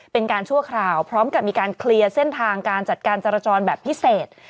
ชั่วคราวพร้อมกับมีการเคลียร์เส้นทางการจัดการจรจรแบบพิเศษ